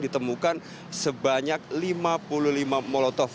ditemukan sebanyak lima puluh lima molotov